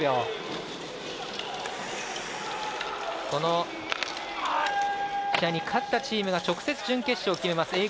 この試合に勝ったチームが直接、決勝進出を決めます。